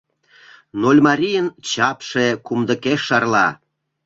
Нольмарийын чапше кумдыкеш шарла.